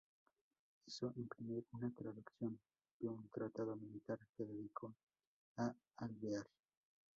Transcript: Hizo imprimir una traducción de un tratado militar, que dedicó a Alvear.